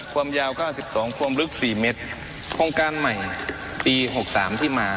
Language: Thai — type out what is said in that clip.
ความยาวเก้าสิบสองความลึกสี่เมตรโครงการใหม่ปีหกสามที่มา